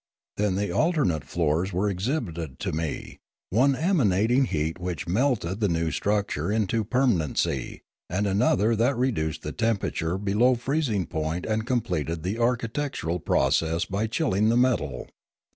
Then the alternate floors were exhibited to me, one emanating heat which melted the new structure into a permanency, and another that re duced the temperature below freezing point and com pleted the architectural process by chilling the metal.